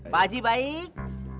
pak haji baik